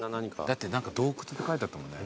だって何か洞窟って書いてあったもんね。